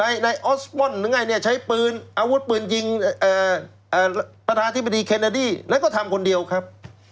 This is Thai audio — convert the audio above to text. ใช้ในออสม่อนใช้ปืนอาวุธปืนยิงประธาธิบดีเคนดิแล้วก็ทำคนเดียวครับ